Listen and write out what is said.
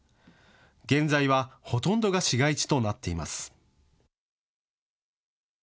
現在はほとんどが市街地となっています。